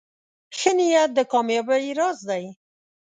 ښه نیت د کامیابۍ راز دی.